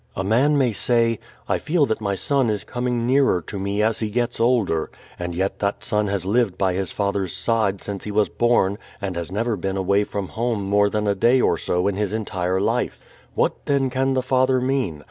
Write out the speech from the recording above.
A man may say, "I feel that my son is coming nearer to me as he gets older," and yet that son has lived by his father's side since he was born and has never been away from home more than a day or so in his entire life. What then can the father mean?